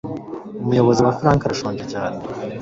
umuyobozi wa frank arashonje cyane